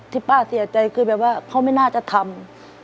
ป้าเสียใจคือแบบว่าเขาไม่น่าจะทำ